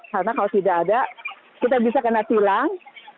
karena kalau tidak ada kita bisa kena silang